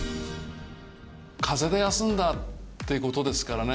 風邪で休んだってことですからね。